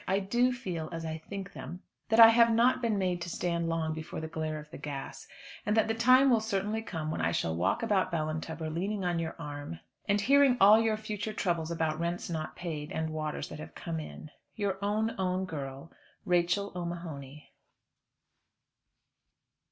I do feel, as I think them, that I have not been made to stand long before the glare of the gas, and that the time will certainly come when I shall walk about Ballintubber leaning on your arm, and hearing all your future troubles about rents not paid, and waters that have come in. Your own, own girl, RACHEL O'MAHONY.